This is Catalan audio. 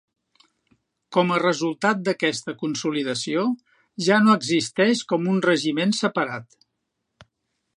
Com a resultat d'aquesta consolidació, ja no existeix com un regiment separat.